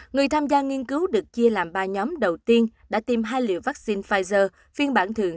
người tham gia nghiên cứu được chia làm ba nhóm đầu tiên đã tìm hai liều vaccine pfizer phiên bản thường